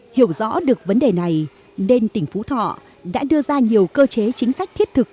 hiểu rõ được vấn đề này nên tỉnh phú thọ đã đưa ra nhiều cơ chế chính sách thiết thực